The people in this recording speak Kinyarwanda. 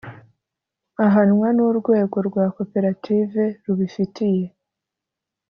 ahanwa n urwego rwa Koperative rubifitiye